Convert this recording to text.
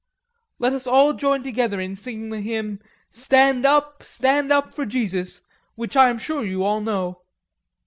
Let us all join together in singing the hymn, 'Stand up, stand up for Jesus,' which I am sure you all know."